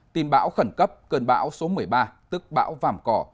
tình bão khẩn cấp cơn bão số một mươi ba tức bão vảm cỏ